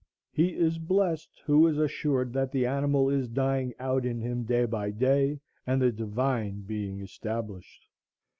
He is blessed who is assured that the animal is dying out in him day by day, and the divine being established.